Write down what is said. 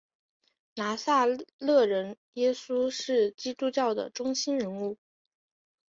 拿撒勒人耶稣是基督教的中心人物。